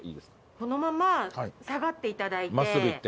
このまま下がっていただいて。